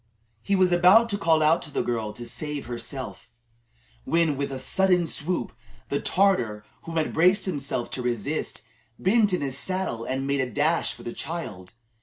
He was about to call out to the girl to save herself, when, with a sudden swoop, the Tartar whom he had braced himself to resist, bent in his saddle and made a dash for the child.